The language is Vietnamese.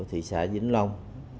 thị xã vĩnh long